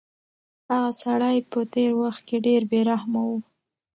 هغه سړی په تېر وخت کې ډېر بې رحمه و.